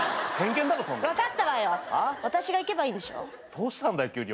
どうしたんだ急に。